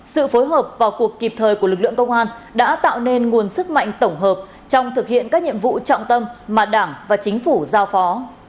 sự phối hợp vào cuộc kịp thời của lực lượng công an đã tạo nên nguồn sức mạnh tổng hợp trong thực hiện các nhiệm vụ trọng tâm mà đảng và chính phủ giao phó